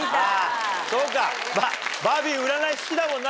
そうかバービー占い好きだもんな。